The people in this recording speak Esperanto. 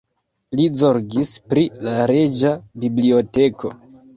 Li zorgis pri la reĝa biblioteko.